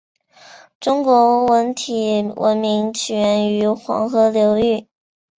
中国主体文明起源于黄河流域。